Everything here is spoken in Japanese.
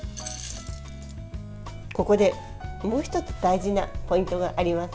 ここでもう１つ大事なポイントがあります。